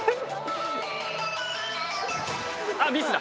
あミスだ！